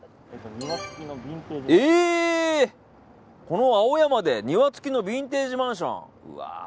この青山で庭付きのビンテージマンション。